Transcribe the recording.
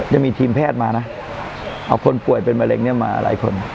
ยังมีทีมแพทย์มานะเอาคนผ่วยเป็นแบรนด์มา